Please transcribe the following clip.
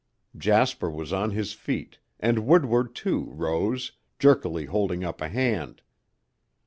Jasper was on his feet, and Woodward too rose, jerkily holding up a hand.